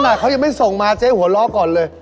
เขายังไม่ส่งมาเจ๊หัวเราะก่อนเลย